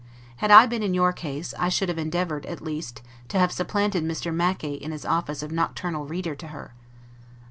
Had I been in your case, I should have endeavored, at least, to have supplanted Mr. Mackay in his office of nocturnal reader to her.